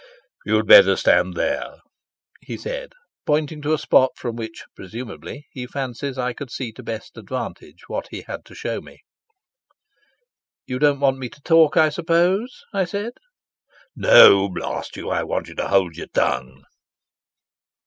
"You'd better stand there," he said, pointing to a spot from which, presumably, he fancied I could see to best advantage what he had to show me. "You don't want me to talk, I suppose," I said. "No, blast you; I want you to hold your tongue."